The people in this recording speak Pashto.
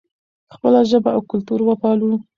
خپله ژبه او کلتور وپالو.